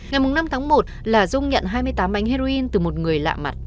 ngày năm tháng một là dung nhận hai mươi tám bánh heroin từ một người lạ mặt